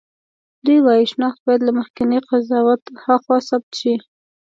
دوی وايي شناخت باید له مخکېني قضاوت هاخوا ثبت شي.